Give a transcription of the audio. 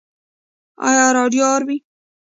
ایا راډیو اورئ؟